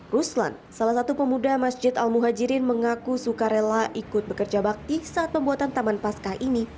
ruslan salah satu pemuda masjid al muhajirin mengaku suka rela ikut bekerja bakti saat pembuatan taman pasca ini